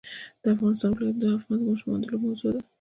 د افغانستان ولايتونه د افغان ماشومانو د لوبو موضوع ده.